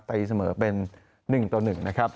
ตีเสมอเป็น๑ต่อ๑นะครับ